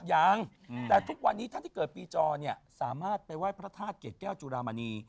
ยังแต่ทุกวันนี้ท่านที่เกิดปีจอเนี่ยสามารถไปไหว้พระธาตุเกรดแก้วจุรามณี